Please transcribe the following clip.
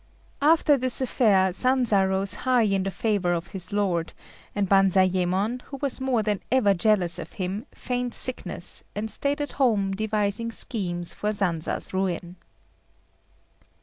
After this affair Sanza rose high in the favour of his lord; and Banzayémon, who was more than ever jealous of him, feigned sickness, and stayed at home devising schemes for Sanza's ruin.